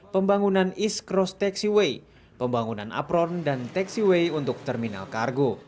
pembangunan east cross taxiway pembangunan apron dan taxiway untuk terminal kargo